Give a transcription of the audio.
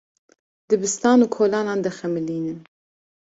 Dibistan û kolanan dixemilînin.